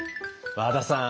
和田さん